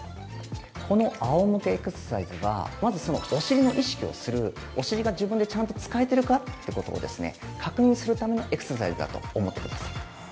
このあおむけエクササイズは、まずそのお尻の意識をする、お尻が自分でちゃんと使えてるかということを確認するためのエクササイズだと思ってください。